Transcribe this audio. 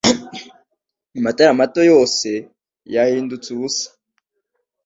Amatara mato yose yahindutse ubusa